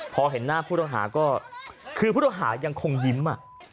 พอเห็นหน้าผู้ต้องหาก็คือผู้ต้องหายังคงยิ้ม